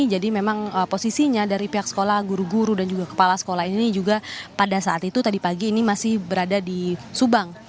jadi memang posisinya dari pihak sekolah guru guru dan juga kepala sekolah ini juga pada saat itu tadi pagi ini masih berada di subang